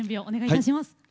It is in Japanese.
お願いいたします。